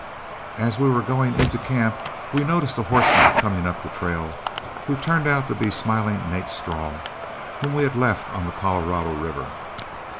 As we were going into camp, we noticed a horseman coming up the trail, who turned out to be smiling Nat Straw, whom we had left on the Colorado River.